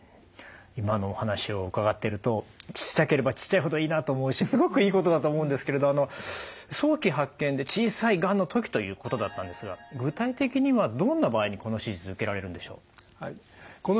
今のお話を伺ってるとちっちゃければちっちゃいほどいいなと思うしすごくいいことだと思うんですけれど早期発見で小さいがんの時ということだったんですが具体的にはどんな場合にこの手術受けられるんでしょう？